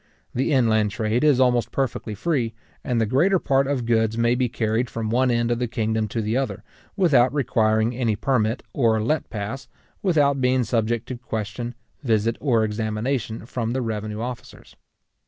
The inland trade is almost perfectly free; and the greater part of goods may be carried from one end of the kingdom to the other, without requiring any permit or let pass, without being subject to question, visit or examination, from the revenue officers.